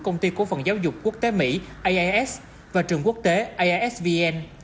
công ty cổ phần giáo dục quốc tế mỹ ias và trường quốc tế iasvn